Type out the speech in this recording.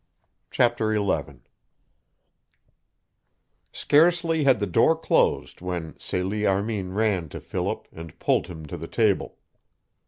CHAPTER XI Scarcely had the door closed when Celie Armin ran to Philip and pulled him to the table.